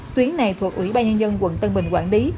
tuyến này thuộc ủy ban nhân dân quận tân bình quản lý